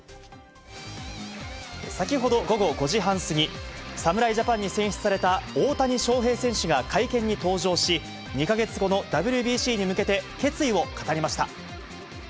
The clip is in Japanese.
先ほど午後５時半過ぎ、侍ジャパンに選出された大谷翔平選手が会見に登場し、２か月後のＷＢＣに向けて決意を語りました。